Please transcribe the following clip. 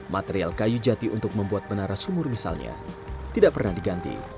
material kayu jati untuk membuat menara sumur misalnya tidak pernah diganti